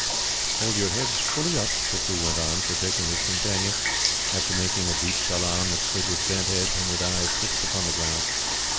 "Hold your heads fully up," Tippoo went on, for Dick and his companion, after making a deep salaam, had stood with bent heads and with eyes fixed upon the ground.